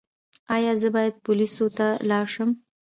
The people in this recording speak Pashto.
ایا زه باید پولیسو ته لاړ شم؟